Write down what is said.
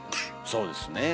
そうですね。